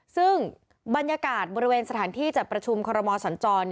ซึ่งบรรยากาศบริเวณสถานที่จัดประชุมคอรมอสัญจร